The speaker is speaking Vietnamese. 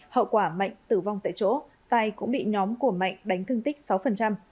hậu quả mạnh tử vong tại chỗ tài cũng bị nhóm của mạnh đánh thương tích sáu